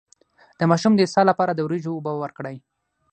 د ماشوم د اسهال لپاره د وریجو اوبه ورکړئ